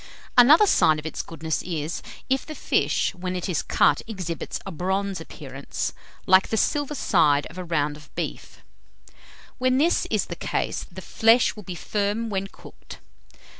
Another sign of its goodness is, if the fish, when it is cut, exhibits a bronze appearance, like the silver side of a round of beef. When this is the case, the flesh will be firm when cooked.